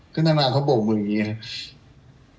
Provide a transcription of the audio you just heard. ก็นางงามเขาบกมืออย่างงี้ครับ